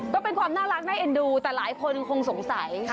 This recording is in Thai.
ก็เป็นความน่ารักน่าเอ็นดูแต่หลายคนคงสงสัย